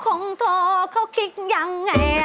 ของเธอเขาคิดยังไง